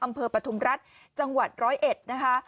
ปฐุมรัฐจังหวัดร้อยเอ็ดนะคะ